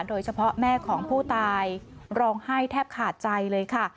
แม่ของผู้ตายร้องไห้แทบขาดใจเลยค่ะ